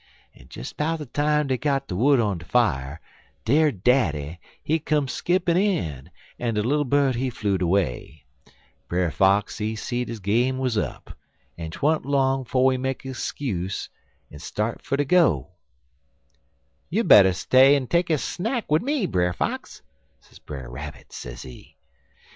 "En des 'bout de time dey got de wood on de fier, der daddy, he come skippin' in, en de little bird, he flew'd away. Brer Fox, he seed his game wuz up, en 'twan't long 'fo' he make his skuse en start fer ter go. "'You better Stay en take a snack wid me, Brer Fox,' sez Brer Rabbit, sezee.